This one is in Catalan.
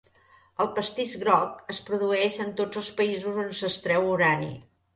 El pastís groc es produeix en tots els països on s'extreu urani.